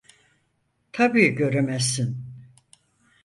Tabii göremezsin…